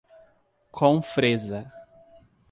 Confresa